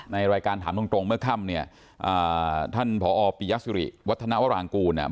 ในรายการถามตรงตรงเมื่อค่ำเนี่ยอ่าท่านผอปิยสิริวัฒนาวรางกูลเนี่ย